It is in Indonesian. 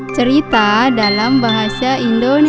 cerita dalam bahasa indonesia